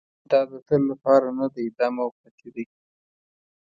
دا د تل لپاره نه دی دا موقتي دی.